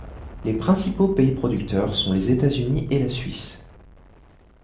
Les principaux pays producteurs sont les États-Unis et la Suisse.